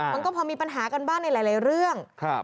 มันก็พอมีปัญหากันบ้างในหลายเรื่อง